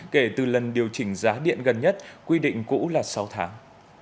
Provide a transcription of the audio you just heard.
kể từ lần điều chỉnh giá điện gần nhất quy định cũ là sáu tháng